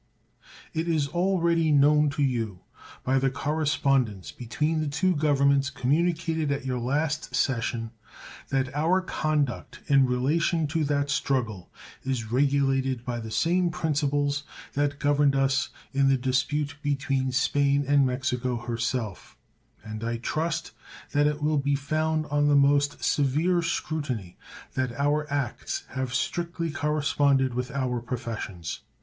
It is already known to you, by the correspondence between the two Governments communicated at your last session, that our conduct in relation to that struggle is regulated by the same principles that governed us in the dispute between Spain and Mexico herself, and I trust that it will be found on the most severe scrutiny that our acts have strictly corresponded with our professions.